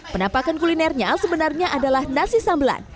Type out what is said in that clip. penampakan kulinernya sebenarnya adalah nasi sambelan